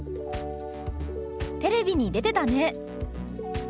「テレビに出てたね」。